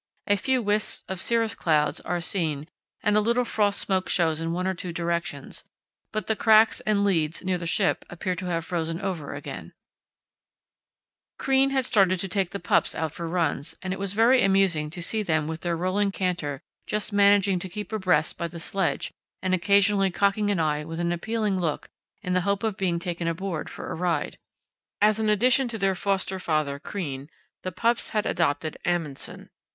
A few wisps of cirrus cloud are seen and a little frost smoke shows in one or two directions, but the cracks and leads near the ship appear to have frozen over again." [Illustration: The Pups] [Illustration: Ice Pressure Approaching the Ship] Crean had started to take the pups out for runs, and it was very amusing to see them with their rolling canter just managing to keep abreast by the sledge and occasionally cocking an eye with an appealing look in the hope of being taken aboard for a ride. As an addition to their foster father, Crean, the pups had adopted Amundsen.